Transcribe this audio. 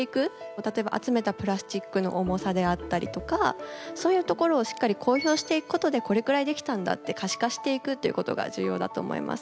例えば集めたプラスチックの重さであったりとかそういうところをしっかり公表していくことでこれくらいできたんだって可視化していくっていうことが重要だと思います。